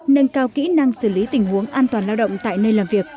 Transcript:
nâng cao kỹ năng xử lý tình huống an toàn lao động tại nơi làm việc